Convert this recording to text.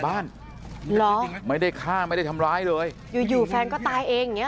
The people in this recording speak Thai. บ้านหรอไม่ได้ฆ่าไม่ได้ทำร้ายเลยอยู่แฟนก็ตายเองเนี่ย